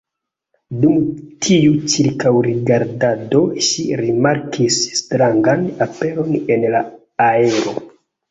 Dum tiu ĉirkaŭrigardado ŝi rimarkis strangan aperon en la aero.